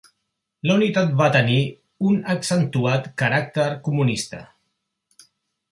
La unitat va tenir un accentuat caràcter comunista.